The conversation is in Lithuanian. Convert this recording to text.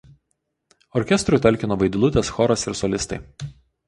Orkestrui talkino „Vaidilutės“ choras ir solistai.